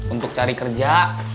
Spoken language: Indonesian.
untuk cari kerja